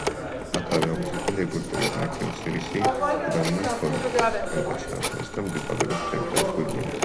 აქაა გამოსახული ეგვიპტური ღმერთი ოსირისი ადამიანის ფორმით, მამაკაცის ტანსაცმელში და პაპირუსის ფირფიტების გვირგვინით.